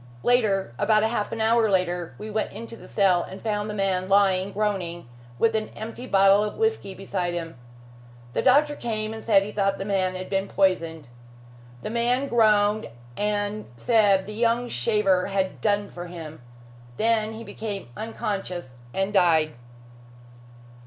Later about half an hour later, we went into the cell and found the man lying groaning, with an empty bottle of whisky beside him. The doctor came and said he thought the man had been poisoned. The man groaned and said the young shaver had done for him. Then he became unconscious and died."